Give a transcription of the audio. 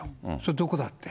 どこだって。